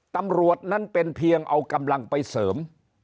ตำรวจนั้นเป็นเพียงเอากำลังไปเสริม